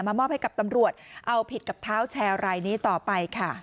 มอบให้กับตำรวจเอาผิดกับเท้าแชร์รายนี้ต่อไปค่ะ